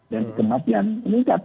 dan kematian meningkat